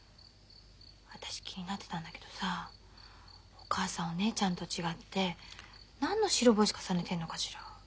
私気になってたんだけどさお母さんお姉ちゃんと違って何の白星重ねてんのかしら？